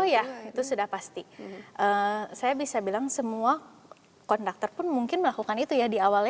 oh ya itu sudah pasti saya bisa bilang semua konduktor pun mungkin melakukan itu ya di awalnya